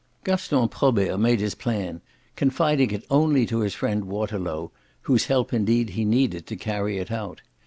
V Gaston Probert made his plan, confiding it only to his friend Waterlow whose help indeed he needed to carry it out.